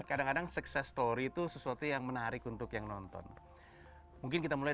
kadang kadang sukses story itu sesuatu yang menarik untuk yang nonton mungkin kita mulai